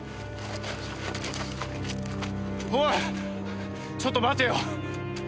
おいちょっと待てよ。